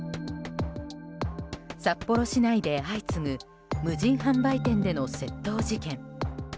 札幌市内で相次ぐ無人販売店での窃盗事件。